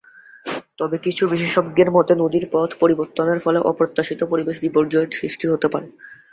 তবে কিছু বিশেষজ্ঞের মতে নদীর পথ পরিবর্তনের ফলে অপ্রত্যাশিত পরিবেশ বিপর্যয়ের সৃষ্টি হতে পারে।